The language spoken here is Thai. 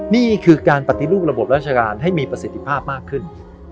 นี่คือการปฏิรูประบบราชการให้มีประสิทธิภาพมากขึ้น